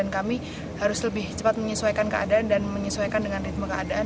kami harus lebih cepat menyesuaikan keadaan dan menyesuaikan dengan ritme keadaan